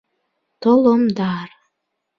Толомдар